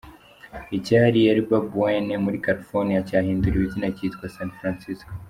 Icyari Yerba Buena, muri California cyahinduriwe izina cyitwa San Francisco.